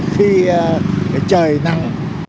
khi trời nắng